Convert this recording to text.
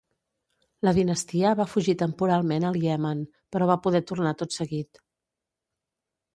La dinastia va fugir temporalment al Iemen però va poder tornar tot seguit.